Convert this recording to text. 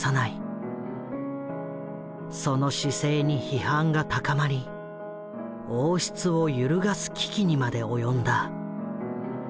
その姿勢に批判が高まり王室を揺るがす危機にまで及んだ。